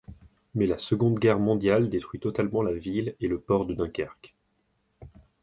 Mais la Seconde Guerre mondiale détruit totalement la ville et le port de Dunkerque.